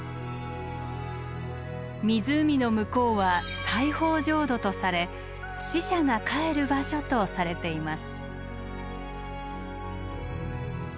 湖の向こうは西方浄土とされ死者がかえる場所とされています。